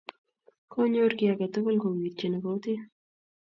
konyor kiiy age tugul kowirchini gutit